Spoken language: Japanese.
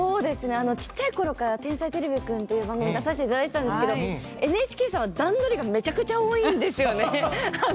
ちっちゃいころから「天才てれびくん」という番組に出させていただいてたんですけどＮＨＫさんは段取りがめちゃくちゃ多いんですよね。